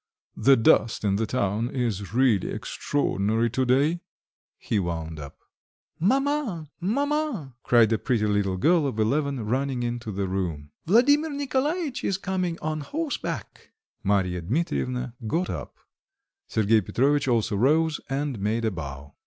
the dust in the town is really extraordinary to day," he wound up. "Maman, maman," cried a pretty little girl of eleven running into the room, "Vladimir Nikolaitch is coming on horseback!" Marya Dmitrievna got up; Sergei Petrovitch also rose and made a bow.